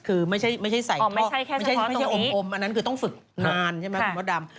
คือไม่ใช่ใส่ไม่ใช่อมอันนั้นคือต้องฝึกนานใช่ไหมคุณพ่อดำ